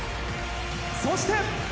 そして。